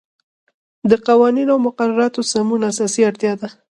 د قوانینو او مقرراتو سمون اساسی اړتیا ده.